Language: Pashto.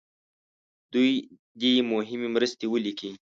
دوی دې مهمې مرستې ولیکي.